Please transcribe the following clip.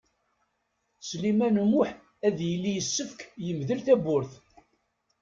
Sliman U Muḥ ad yili yessefk yemdel tawwurt.